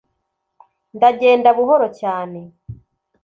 ndagenda buhoro cyane